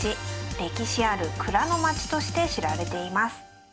歴史ある蔵のまちとして知られています。